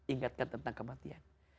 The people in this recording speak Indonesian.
ingatkan tentang kematian